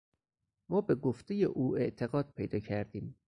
ما به گفتهٔ او اعتقاد پیدا کردیم.